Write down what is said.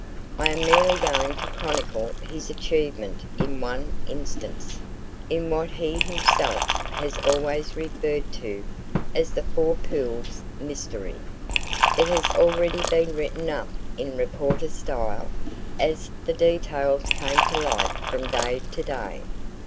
I am merely going to chronicle his achievement in one instance in what he himself has always referred to as the "Four Pools Mystery." It has already been written up in reporter style as the details came to light from day to day.